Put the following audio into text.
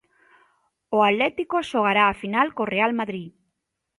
O Atlético xogará a final co Real Madrid.